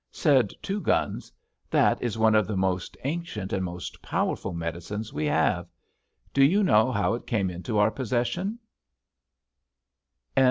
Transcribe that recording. Said Two Guns: "That is one of the most ancient and most powerful medicines we have. Do you know how it came into our possession?"